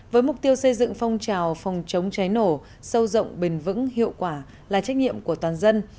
với mục tiêu xây dựng phong trào phòng chống cháy nổ sâu rộng bền vững hiệu quả là trách nhiệm của toàn dân